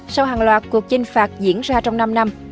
sau hàng loạt cuộc chinh phạt diễn ra trong năm năm